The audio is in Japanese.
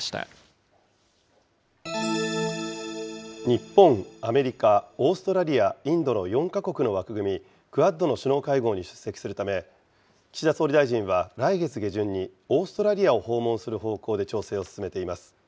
日本、アメリカ、オーストラリア、インドの４か国の枠組み、クアッドの首脳会合に出席するため、岸田総理大臣は来月下旬にオーストラリアを訪問する方向で調整を進めています。